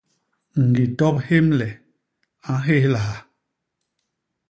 Ñgitophémle a nhélhaha.